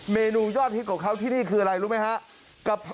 เมนูยอดฮิตของเขาที่นี่คืออะไรรู้ไหมครับ